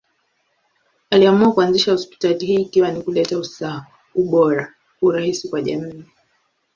Aliamua kuanzisha hospitali hii ikiwa ni kuleta usawa, ubora, urahisi kwa jamii.